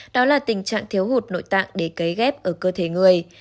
đó là tình trạng thiếu hụt nội tạng để cấy ghép ở cơ thể người